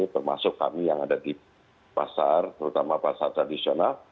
termasuk kami yang ada di pasar terutama pasar tradisional